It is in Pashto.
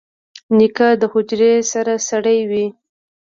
نیکه د حجرې سرسړی وي.